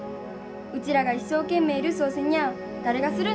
うちらが一生懸命留守をせにゃ誰がするんね。